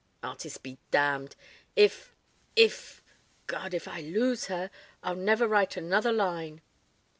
"Artist be damned. If if God! if I lose her I'll never write another line."